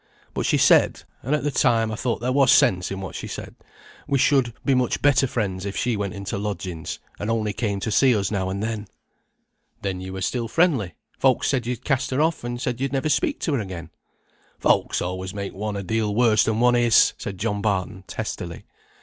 But she said (and at the time I thought there was sense in what she said) we should be much better friends if she went into lodgings, and only came to see us now and then." "Then you still were friendly. Folks said you'd cast her off, and said you'd never speak to her again." "Folks always make one a deal worse than one is," said John Barton, testily.